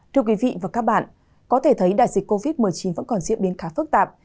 thưa quý vị và các bạn có thể thấy đại dịch covid một mươi chín vẫn còn diễn biến khá phức tạp